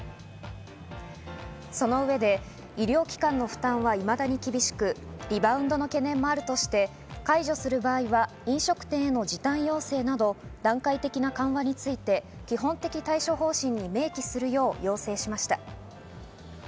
その上で医療機関の負担はいまだに厳しくリバウンドの懸念もあるとして、解除する場合は飲食店への時短要請など段階的な緩和について、基本的対処方針に明記するよう要請しました。